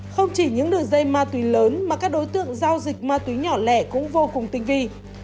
không chỉ những đường dây ma túy lớn mà các đối tượng giao dịch ma túy nhỏ lẻ cũng vô cùng tinh vi